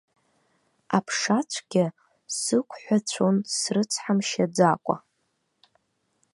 Аԥшацәгьа сықәҳәацәон срыцҳамшьаӡакәа.